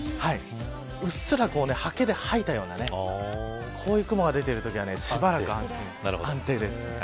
薄らと、はけで掃いたようなこういう雲が出ているときはしばらく安全です。